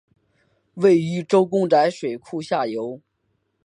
位于周公宅水库下游。